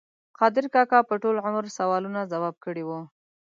قادر کاکا په ټول عمر سوالونه ځواب کړي وو.